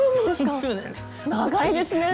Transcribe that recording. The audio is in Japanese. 長いですね！